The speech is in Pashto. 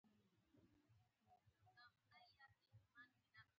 • د واورې پر مهال تودې جامې اغوستل ضروري دي.